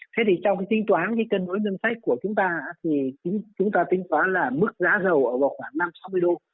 thế thì trong tính toán cân đối ngân sách của chúng ta thì chúng ta tính toán là mức giá dầu ở khoảng năm sáu mươi đô